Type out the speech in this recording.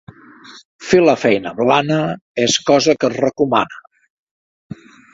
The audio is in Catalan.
Fer la feina blana, és cosa que es recomana.